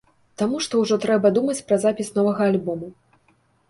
Таму што ўжо трэба думаць пра запіс новага альбому.